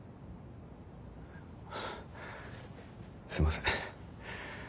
すいません。